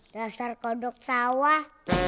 dasar kodok sawah